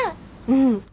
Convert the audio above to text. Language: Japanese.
うん。